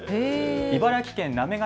茨城県行方